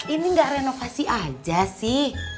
ini nggak renovasi aja sih